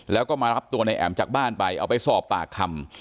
แล้วก็มารับตัวในแอ๋มจากบ้านไปเอาไปสอบปากคำ